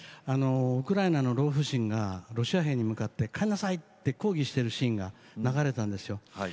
ウクライナの老婦人がロシア兵に向かって「帰りなさい」って抗議してるシーンが流れたんですよ。